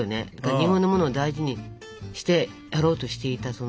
日本のものを大事にしてやろうとしていたその。